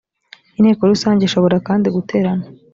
inteko rusange ishobora kandi guterana .